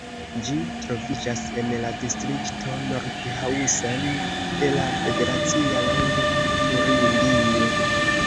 Ĝi troviĝas en la distrikto Nordhausen de la federacia lando Turingio.